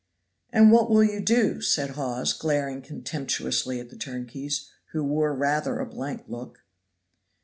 "And what will you do?" said Hawes, glaring contemptuously at the turnkeys, who wore rather a blank look.